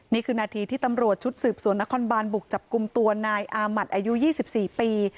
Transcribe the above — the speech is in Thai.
นี่คือนาทีที่ตำรวจชุดสืบสวนนครบานบุกจับกลุ่มตัวนายอามัติอายุ๒๔ปี